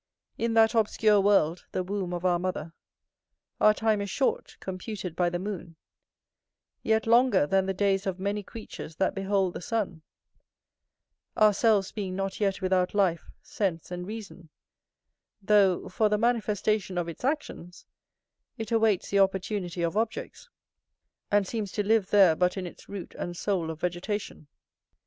In that obscure world, the womb of our mother, our time is short, computed by the moon; yet longer than the days of many creatures that behold the sun; ourselves being not yet without life, sense, and reason; though, for the manifestation of its actions, it awaits the opportunity of objects, and seems to live there but in its root and soul of vegetation.